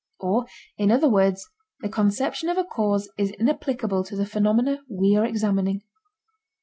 Or in other words, the conception of a cause is inapplicable to the phenomena we are examining.